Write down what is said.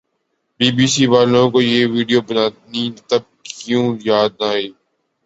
be B C والوں کو یہ وڈیو بنانی تب کیوں یاد نہ آئی